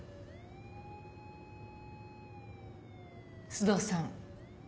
須藤さん